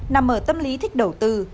nằm ở tâm lý thích đầu tư